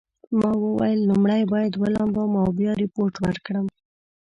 ما وویل لومړی باید ولامبم او بیا ریپورټ ورکړم.